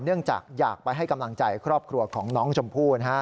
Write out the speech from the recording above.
จากอยากไปให้กำลังใจครอบครัวของน้องชมพู่